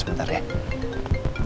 rena itu adalah nindi